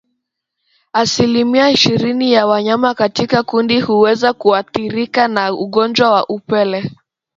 Asilimia ishirini ya wanyama katika kundi huweza kuathirika na ugonjwa wa upele